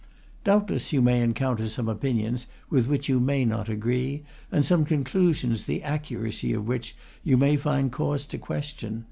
Doubtless you may encounter some opinions with which you may not agree, and some conclusions the accuracy of which you may find cause to question.